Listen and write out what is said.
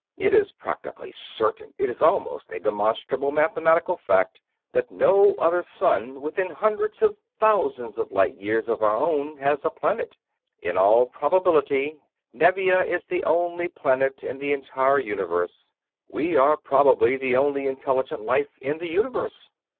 "It is practically certain it is almost a demonstrable mathematical fact that no other sun within hundreds of thousands of light years of our own has a planet. In all probability Nevia is the only planet in the entire Universe. We are very probably the only intelligent life in the Universe.